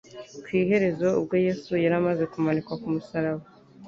Ku iherezo, ubwo Yesu yari amaze kumanikwa ku musaraba,